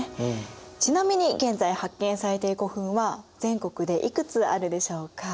ちなみに現在発見されている古墳は全国でいくつあるでしょうか？